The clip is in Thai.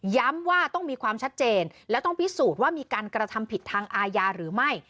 ว่าต้องมีความชัดเจนและต้องพิสูจน์ว่ามีการกระทำผิดทางอาญาหรือไม่